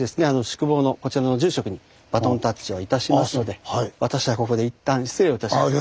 宿坊のこちらの住職にバトンタッチをいたしますので私はここでいったん失礼をいたします。